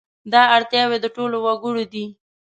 دا اړتیاوې د ټولو وګړو دي.